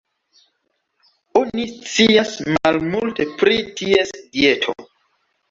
Oni scias malmulte pri ties dieto.